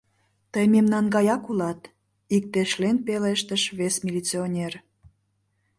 — Тый мемнан гаяк улат, — иктешлен пелештыш вес милиционер.